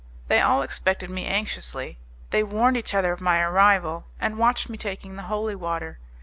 They all expected me anxiously; they warned each other of my arrival, and watched me taking the holy water.